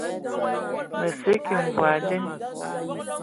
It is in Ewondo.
Mə sə kig mvɔi nden.